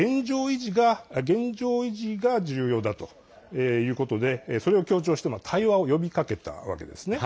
現状維持が重要だということでそれを強調して対話を呼びかけたわけですね。